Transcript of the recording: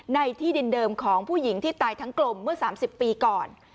ในที่ดินเดิมของผู้หญิงที่ตายทั้งกลมเมื่อ๓๐ปีก่อน